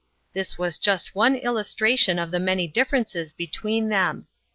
This is just one illustration of the many differences between them.